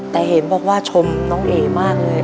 แต่เห็นบอกว่าชมน้องเอมากเลย